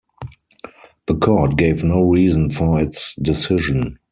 The court gave no reason for its decision.